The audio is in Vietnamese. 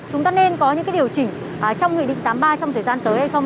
chúng ta nên có những điều chỉnh trong nghị định tám mươi ba trong thời gian tới hay không